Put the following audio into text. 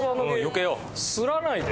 擦らないで。